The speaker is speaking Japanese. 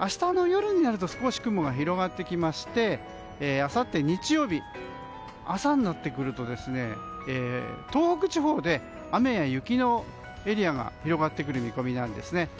明日の夜になると少し雲が広がってきましてあさって日曜日朝になってくると東北地方で雨や雪のエリアが広がってくる見込みです。